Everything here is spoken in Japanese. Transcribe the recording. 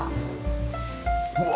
うわ！